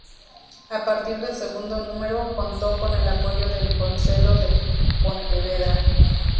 A partir del segundo número, contó con el apoyo del Concello de Pontevedra.